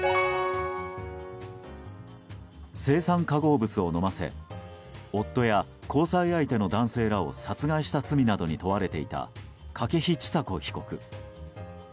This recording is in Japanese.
青酸化合物を飲ませ夫や交際相手の男性らを殺害した罪などに問われていた筧千佐子被告。